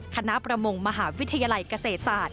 ประมงมหาวิทยาลัยเกษตรศาสตร์